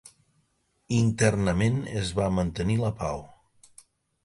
Internament es va mantenir la pau.